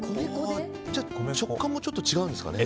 食感もちょっと違うんですかね。